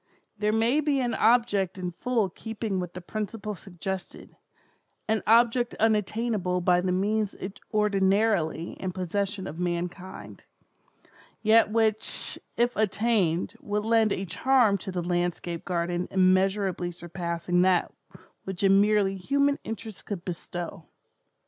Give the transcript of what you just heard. There may be an object in full keeping with the principle suggested—an object unattainable by the means ordinarily in possession of mankind, yet which, if attained, would lend a charm to the landscape garden immeasurably surpassing that which a merely human interest could bestow.